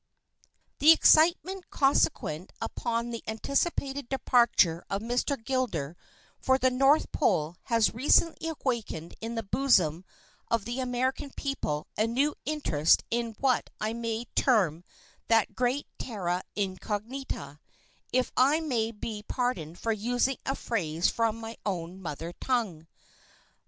The excitement consequent upon the anticipated departure of Mr. Gilder for the north pole has recently awakened in the bosom of the American people a new interest in what I may term that great terra incognita, if I may be pardoned for using a phrase from my own mother tongue.